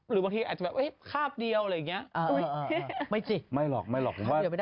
แต่ผมว่าโรงหนังเขาอาจจะลืมคิด